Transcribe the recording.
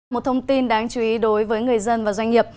một thông tin đáng chú ý đối với người dân và doanh nghiệp